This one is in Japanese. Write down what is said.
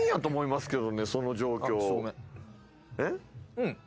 うん。